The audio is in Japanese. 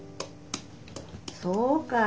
そうかい。